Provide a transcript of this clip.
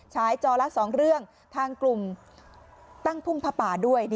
ฉายจอละ๒เรื่องทางกลุ่มตั้งพุ่งผ้าป่าด้วย